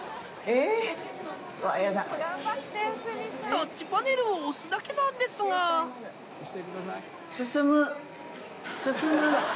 タッチパネルを押すだけなんですが進む進む。